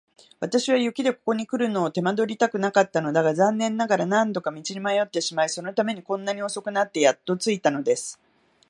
私は雪でここにくるのを手間取りたくなかったのだが、残念ながら何度か道に迷ってしまい、そのためにこんなに遅くなってやっと着いたのです。